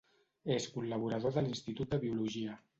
És col·laborador de l'Institut de Biologia.